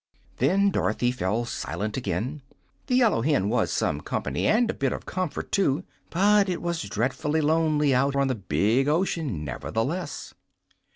Then Dorothy fell silent again. The yellow hen was some company, and a bit of comfort, too; but it was dreadfully lonely out on the big ocean, nevertheless.